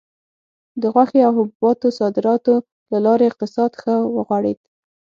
د غوښې او حبوباتو صادراتو له لارې اقتصاد ښه وغوړېد.